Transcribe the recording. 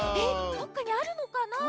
どっかにあるのかな。